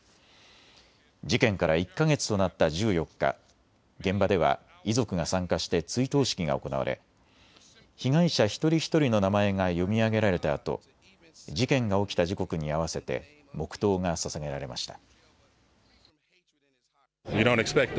事件から１か月となった１４日、現場では遺族が参加して追悼式が行われ被害者一人一人の名前が読み上げられたあと、事件が起きた時刻に合わせて黙とうがささげられました。